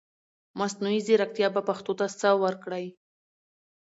مصنوعي ځرکتيا به پښتو ته سه ورکړٸ